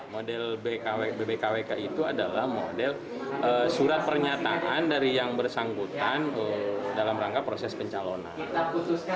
model bbkwk itu adalah model surat pernyataan dari yang bersangkutan dalam rangka proses pencalonan